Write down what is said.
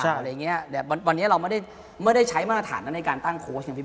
อะไรอย่างเงี้ยแต่วันนี้เราไม่ได้ไม่ได้ใช้มาตรฐานนั้นในการตั้งโค้ชไงพี่